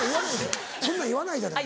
そんなん言わないじゃない。